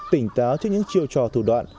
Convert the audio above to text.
tỉnh táo trước những chiêu trò thủ đoạn